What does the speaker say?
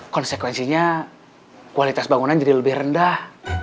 konsekuensinya kualitas bangunan jadi lebih rendah